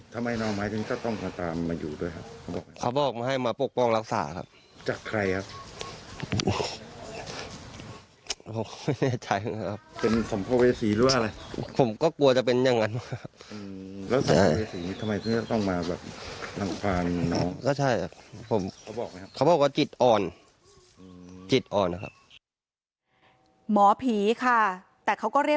ทำไมน้องไม้จริงจะต้องมาตามมาอยู่ด้วยครับ